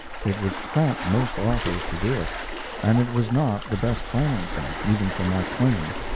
It would cramp most authors to do it, and it was not the best financing, even for Mark Twain.